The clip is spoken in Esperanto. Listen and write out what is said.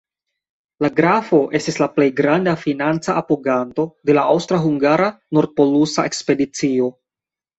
La grafo estis la plej granda financa apoganto de la aŭstra-hungara nord-polusa ekspedicio.